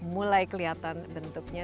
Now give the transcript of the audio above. mulai kelihatan bentuknya